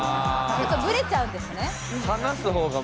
ちょっとブレちゃうんですね。